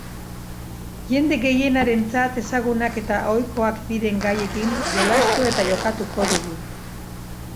Jende gehienarentzat ezagunak eta ohikoak diren gaiekin jolastu eta jokatuko dugu.